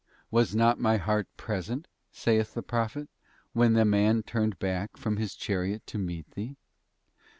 Was not my heart present,' saith the Prophet, ' when the man turned back from his chariot to meet thee?